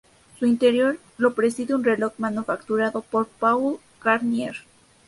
Su interior lo preside un reloj manufacturado por Paul Garnier.